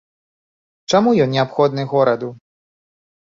Чаму ён неабходны гораду?